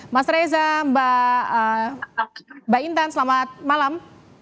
mas reza mbak intan selamat malam